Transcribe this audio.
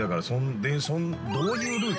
◆どういうルート？